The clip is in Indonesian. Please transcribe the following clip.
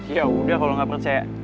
yaudah kalau gak percaya